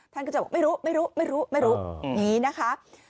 ท่านก็จะบอกไม่รู้อย่างนี้นะคะ